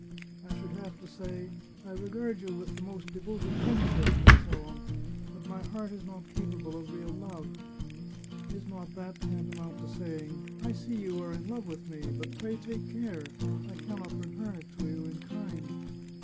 I should have to say, ' I regard you with the most devoted friendship, etc., 190 The Chartreuse of Parma but my heart is not capable of real love.' Is not that tanta mount to saying :' I see you are in love with me. But pray take care! I can not return it to you in kind.'